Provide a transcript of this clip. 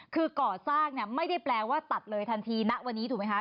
คือก่อสร้างเนี่ยไม่ได้แปลว่าตัดเลยทันทีณวันนี้ถูกไหมคะ